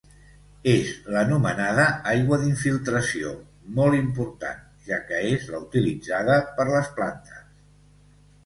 És l'anomenada aigua d'infiltració, molt important, ja que és la utilitzada per les plantes.